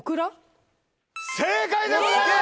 正解でございます！